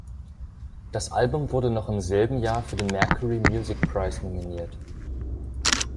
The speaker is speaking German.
Das Album wurde noch im selben Jahr für den Mercury Music Prize nominiert.